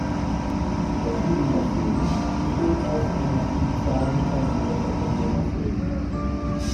Der Fühlinger See besteht aus einer Vielzahl miteinander verbundener Seen.